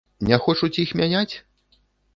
Не хочуць іх мяняць?